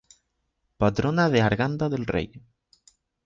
Patrona de Arganda del Rey".